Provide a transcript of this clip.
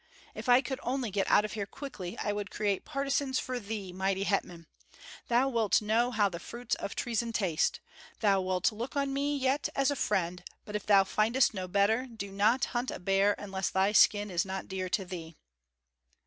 If I could only get out of here quickly, I would create partisans for thee, mighty hetman! Thou wilt know how the fruits of treason taste. Thou wilt look on me yet as a friend; but if thou findest no better, do not hunt a bear unless thy skin is not dear to thee."